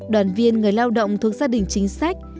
đoàn viên người lao động thuộc gia đình chính sách